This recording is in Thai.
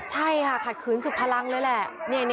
ใช่ค่ะขัดขืนสุดพลังเลยแหละ